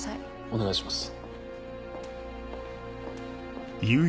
お願いします。